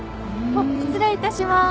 失礼いたしまーす。